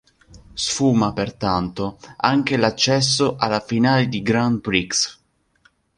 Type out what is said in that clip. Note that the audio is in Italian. Sfuma, pertanto, anche l'accesso alla finale di Grand Prix.